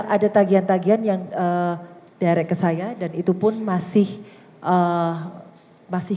ada tagian tagian yang direct ke saya dan itu pun masih kurang menggunakan uang berat